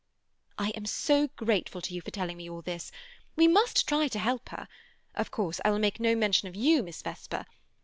"I am so grateful to you for telling me all this. We must try to help her. Of course I will make no mention of you, Miss Vesper.